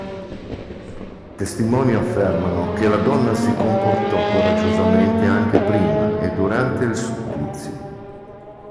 Testimoni affermano che la donna si comportò coraggiosamente anche prima e durante il supplizio.